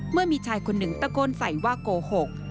เมื่อมีชายคนหนึ่งตะโกนใส่ว่าโกหก